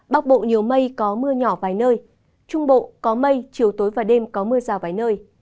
bắc bộ nhiều mây có mưa nhỏ vài nơi trung bộ có mây chiều tối và đêm có mưa rào vài nơi